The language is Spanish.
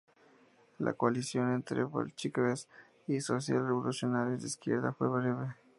La coalición entre bolcheviques y social-revolucionarios de izquierda fue breve.